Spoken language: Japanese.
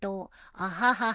アハハハ」